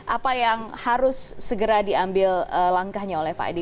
apa yang harus segera diambil langkahnya oleh pak edi